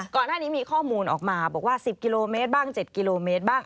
ก่อนหน้านี้มีข้อมูลออกมาบอกว่า๑๐กิโลเมตรบ้าง๗กิโลเมตรบ้าง